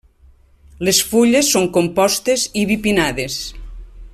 Les fulles són compostes i bipinnades.